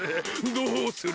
どうする？